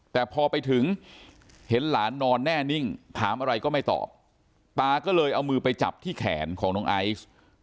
แต่พอไปถึงเห็นหลานนอนแน่นิ่งถามอะไรก็ไม่ตอบตาก็เลยเอามือไปจับที่แขนของน้องไอซ์